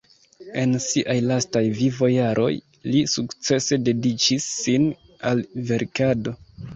En siaj lastaj vivo-jaroj, li sukcese dediĉis sin al verkado.